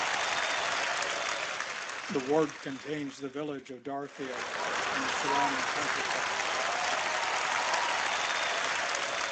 The ward contains the village of Darfield and the surrounding countryside.